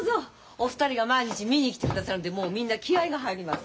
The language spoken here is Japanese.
お二人が毎日見に来てくださるんでもうみんな気合いが入ります。